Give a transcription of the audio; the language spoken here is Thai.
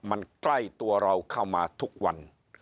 มันใกล้ตัวเราเข้ามาทุกวัน